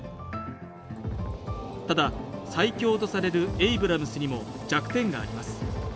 ただ最強とされるエイブラムスにも弱点があります